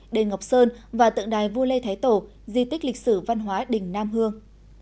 đền ngọc sơn và tượng đài vua lê thái tổ di tích lịch sử văn hóa đình nam hương